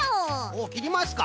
おっきりますか。